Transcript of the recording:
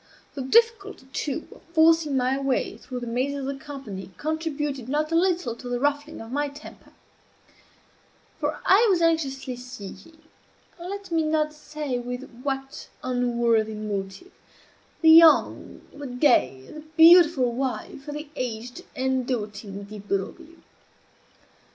The difficulty, too, of forcing my way through the mazes of the company contributed not a little to the ruffling of my temper; for I was anxiously seeking (let me not say with what unworthy motive) the young, the gay, the beautiful wife of the aged and doting Di Broglio.